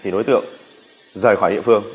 đối tượng rời khỏi địa phương